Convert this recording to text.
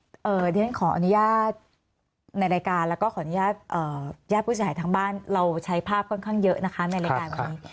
เดี๋ยวฉันขออนุญาตในรายการแล้วก็ขออนุญาตญาติผู้เสียหายทั้งบ้านเราใช้ภาพค่อนข้างเยอะนะคะในรายการวันนี้